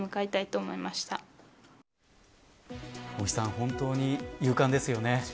本当に、勇敢ですよね。